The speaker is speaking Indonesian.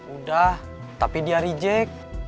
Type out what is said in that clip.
udah tapi dia reject